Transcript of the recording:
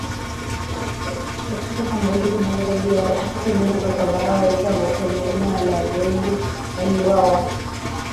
Katika shambulizi moja zaidi ya watu sitini huko Tambarare Savo kwenye eneo la Djubu waliuawa